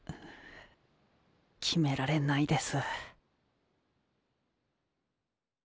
決められないです。